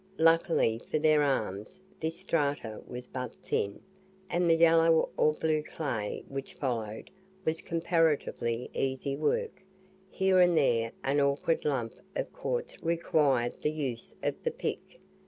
Luckily for their arms, this strata was but thin, and the yellow or blue clay which followed was comparatively easy work here and there an awkward lump of quartz required the use of the pick.